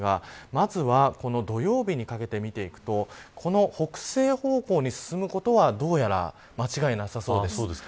まずは土曜日にかけて見ていくと北西方向に進むことはどうやら間違いなさそうです。